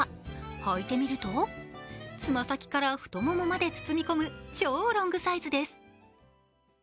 はいてみると、爪先から太ももまで包み込む、超ロングサイズです。